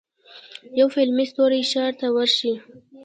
یو فلمي ستوری ښار ته ورشي.